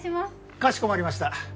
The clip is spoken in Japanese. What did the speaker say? かしこまりました。